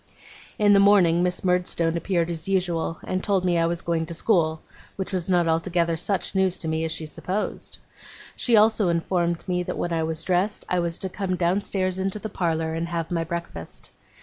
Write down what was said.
In the morning Miss Murdstone appeared as usual, and told me I was going to school; which was not altogether such news to me as she supposed. She also informed me that when I was dressed, I was to come downstairs into the parlour, and have my breakfast.